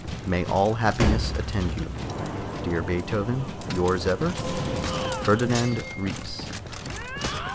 May all happiness attend you. Dear Beethoven, yours ever, FERDINAND RIES.